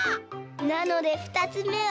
なのでふたつめは。